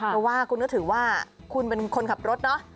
เพราะว่าคุณก็ถือว่าคุณเป็นคนขับรถเนาะ